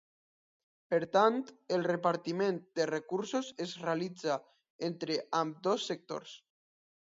Per tant, el repartiment de recursos es realitza entre ambdós sectors.